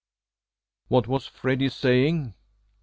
"What was Freddy saying?"